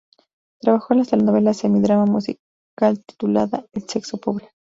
Trabajó en la telenovelas semi-drama musical titulada "El sexo pobre".